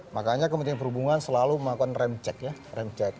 makanya kementerian perhubungan selalu melakukan remcek ya remcek